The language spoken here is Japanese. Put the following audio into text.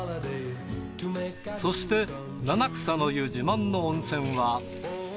そして七草の湯自慢の温泉は。